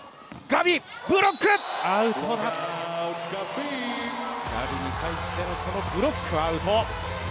ガビに対してのブロックはアウト。